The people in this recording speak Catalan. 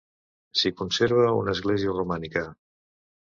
S'hi conserva una església romànica.